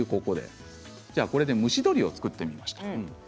これで、蒸し鶏を作ってみました。